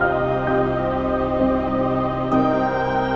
tim ngamuk dengan kamu